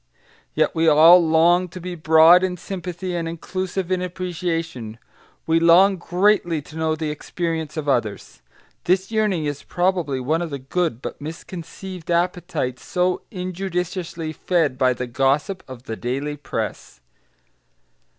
Yet we all long to be broad in sympathy and inclusive in appreciation; we long, greatly, to know the experience of others. This yearning is probably one of the good but misconceived appetites so injudiciously fed by the gossip of the daily press.